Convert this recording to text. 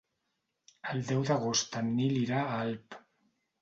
El deu d'agost en Nil irà a Alp.